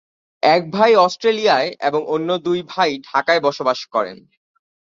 এক ভাই অস্ট্রেলিয়ায় এবং অন্য দুই ভাই ঢাকায় বসবাস করেন।